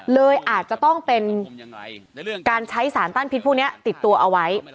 เลยอาจจะต้องเป็นการใช้สารต้านพิษพวกนี้ติดตัวเอาไว้